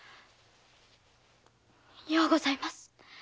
ようございます。